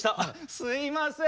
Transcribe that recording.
すいません。